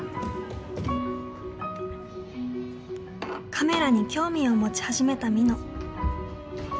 カメラに興味を持ち始めたみの。